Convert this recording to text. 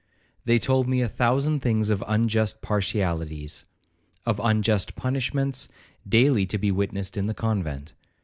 They told me a thousand things of unjust partialities,—of unjust punishments, daily to be witnessed in the convent.